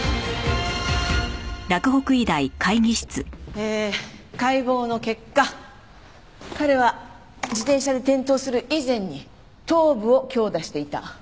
えー解剖の結果彼は自転車で転倒する以前に頭部を強打していた。